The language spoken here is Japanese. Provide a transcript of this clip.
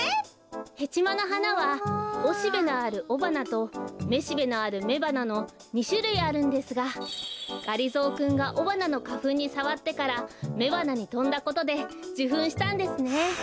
ヘチマのはなはおしべのあるおばなとめしべのあるめばなの２しゅるいあるんですががりぞーくんがおばなのかふんにさわってからめばなにとんだことでじゅふんしたんですね！